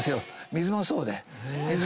水もそうで。